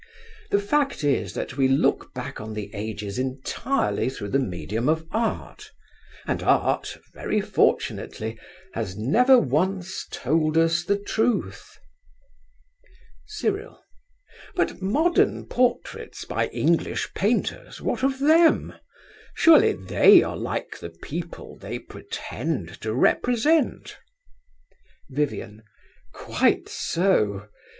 The fact is that we look back on the ages entirely through the medium of art, and art, very fortunately, has never once told us the truth. CYRIL. But modern portraits by English painters, what of them? Surely they are like the people they pretend to represent? VIVIAN. Quite so.